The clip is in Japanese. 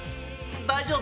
大丈夫。